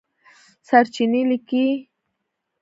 سرچېنې لیکلي